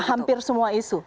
hampir semua isu